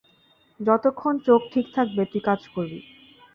যতক্ষণ চোখ ঠিক থাকবে, তুই কাজ করবি।